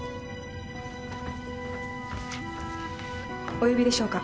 お呼びでしょうか？